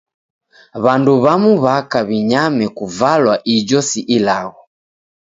W'andu w'amu w'aka w'inyame kuvalwa--ijo si ilagho.